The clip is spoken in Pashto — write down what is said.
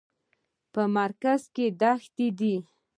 په مرکز کې دښتې دي.